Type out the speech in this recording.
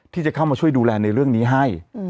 ที่จะเข้ามาช่วยดูแลในเรื่องนี้ให้